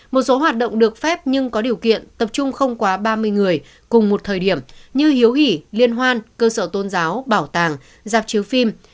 một số hoạt động được phép nhưng có điều kiện tập trung không quá ba mươi người cùng một thời điểm như hiếu hỉ liên hoan cơ sở tôn giáo bảo tàng dạp chiếu phim